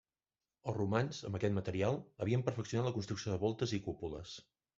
Els romans, amb aquest material, havien perfeccionat la construcció de voltes i cúpules.